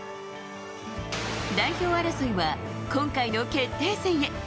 代表争いは今回の決定戦へ。